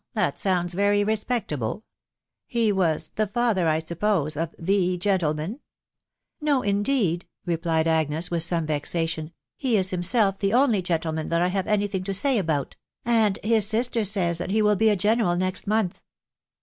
.... That sounds very respectable; he was the father, I suppose, of the gentleman ?''" No, indeed/' replied Agnes, with some vexation ; t€ he is himself the only gentleman that I have any thing to say about, .... and his sister says that he will be a general next month."